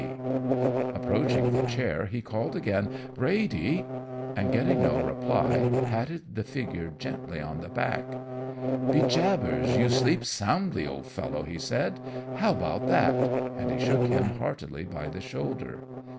"Approaching the chair he called again, 'Brady!' and getting no reply, patted the figure gently on the back. "'Be jabbers, you sleep soundly, old fellow!' he said. 'How about that!' and he shook him heartily by the shoulder.